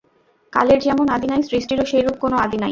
কালের যেমন আদি নাই, সৃষ্টিরও সেইরূপ কোন আদি নাই।